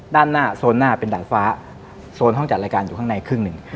ด้านหน้าโซนหน้าเป็นดาดฟ้าโซนห้องจัดรายการอยู่ข้างในครึ่งหนึ่ง